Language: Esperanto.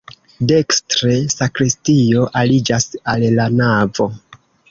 Dekstre sakristio aliĝas al la navo.